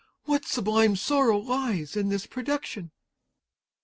What sublime sorrow lies in this production!